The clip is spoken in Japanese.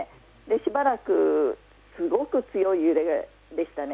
しばらくすごく強い揺れでしたね。